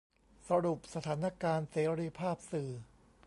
สรุปสถานการณ์เสรีภาพสื่อ